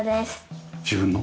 自分の？